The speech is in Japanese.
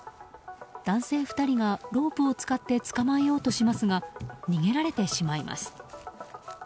男性２人がロープを使って捕まえようとしますが逃げられてしまいます。